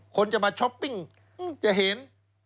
คนจะมาช้อปปิ้งจะเห็น